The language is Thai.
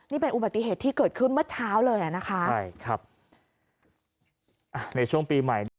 นี่เป็นอุบัติเหตุที่เกิดขึ้นเมื่อเช้าเลยนะคะในช่วงปีใหม่